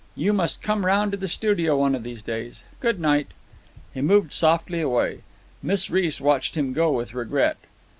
You must come round to the studio one of these days. Good night." He moved softly away. Miss Reece watched him go with regret.